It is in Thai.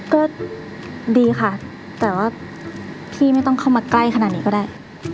ก็ดีค่ะแต่ว่าพี่ไม่ต้องเข้ามาใกล้ขนาดนี้ก็ได้